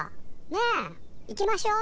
ねえ行きましょう。